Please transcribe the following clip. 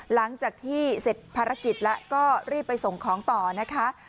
หลังจากที่เสร็จภารกิจแล้วก็รีบไปส่งของต่อนะคะ